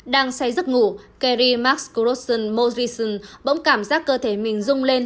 đang say giấc ngủ carrie max croson morrison bỗng cảm giác cơ thể mình dung lên